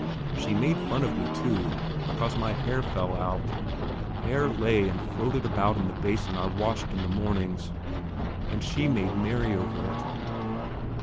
She made fun of me, too, because my hair fell out. Hair lay and floated about in the basin I washed in the mornings, and she made merry over it.